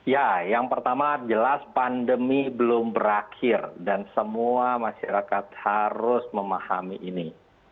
ya yang pertama jelas pandemi belum berakhir dan semua masyarakat harus memahami ini